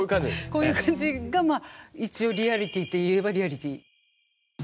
こういう感じがまあ一応リアリティといえばリアリティ。